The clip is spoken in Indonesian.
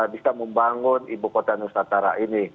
bisa membangun ibu kota nusantara ini